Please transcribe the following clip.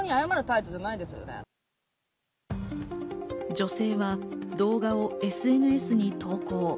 女性は動画をＳＮＳに投稿。